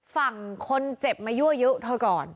ฝั่งคนเจ็บมายั่วเยอะเท่าก่อน